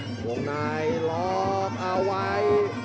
เถอะครับหวงใณลอบเอาไว้